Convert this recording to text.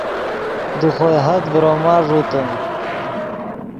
دے خوئے حد ڤروما ݱوتے